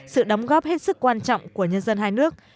sự đóng góp hết sức quan trọng của nhân dân hai nước